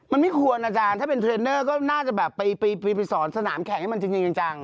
มันไม่ควรอาจารย์ถ้าเป็นเทรนเนอร์ก็น่าจะแบบไปสอนสนามแข่งให้มันจริงจัง